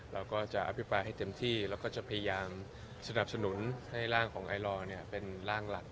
เราก็จะอภิปรายให้เต็มที่แล้วก็จะพยายามสนับสนุนให้ร่างของไอลอร์เป็นร่างหลัก